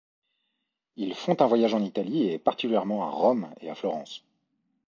Ils font un voyage en Italie et particulièrement à Rome et à Florence.